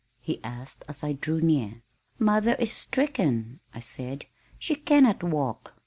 he asked as I drew near. "Mother is stricken," I said. "She cannot walk."